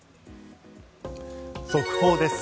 速報です。